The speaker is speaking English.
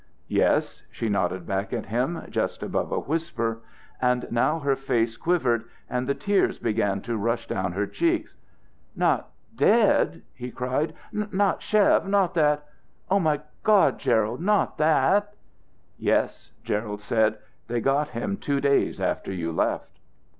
"Yes," she nodded back at him, just above a whisper; and now her face quivered, and the tears began to rush down her cheeks. "Not dead!" he cried. "Not Chev not that! O my God, Gerald, not that!" "Yes," Gerald said. "They got him two days after you left."